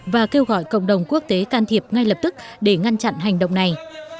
và kêu gọi cộng đồng quốc tế can thiệp ngay lập tức để ngăn chặn hành động này